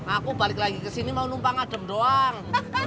aku balik lagi ke sini mau numpa ngadem doang